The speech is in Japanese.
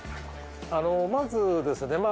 まずですね